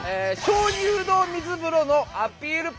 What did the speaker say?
鍾乳洞水風呂のアピール